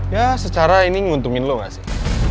ya secara ini nguntungin lo gak sih